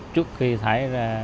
trước khi thải ra